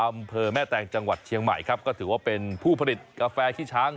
อำเภอแม่แตงจังหวัดเชียงใหม่ครับก็ถือว่าเป็นผู้ผลิตกาแฟขี้ช้าง